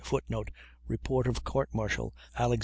[Footnote: Report of Court martial, Alex.